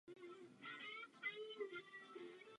Vstřelil jednu prvoligovou branku.